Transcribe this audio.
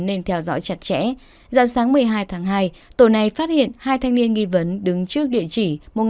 nên theo dõi chặt chẽ dặn sáng một mươi hai tháng hai tổ này phát hiện hai thanh niên nghi vấn đứng trước địa chỉ một nghìn năm trăm linh một